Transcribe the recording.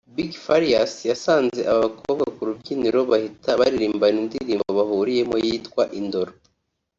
Big Farious yasanze aba bakobwa ku rubyiniro bahita baririmbana indirimbo bahuriyemo yitwa ‘Indoro’